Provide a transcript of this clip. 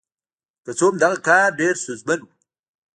که څه هم دغه کار ډېر ستونزمن و.